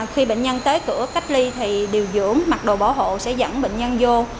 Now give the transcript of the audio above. khi bệnh nhân tới cửa cách ly thì điều dưỡng mặc đồ bảo hộ sẽ dẫn bệnh nhân vô